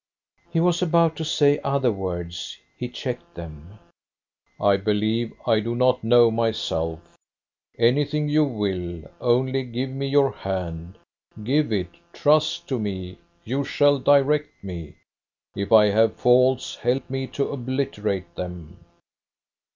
He was about to say other words: he checked them. "I believe I do not know myself. Anything you will, only give me your hand; give it; trust to me; you shall direct me. If I have faults, help me to obliterate them."